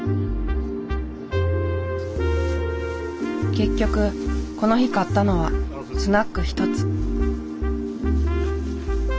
結局この日買ったのはスナック１つ。